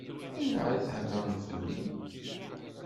Ayɣer i theddṛem fell-i?